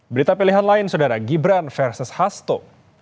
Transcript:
berita pilihan lain saudara gibran versus hasto